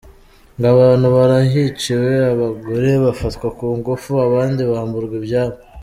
Ngo abantu barahiciwe, abagore bafatwa ku ngufu abandi bamburwa ibyabo.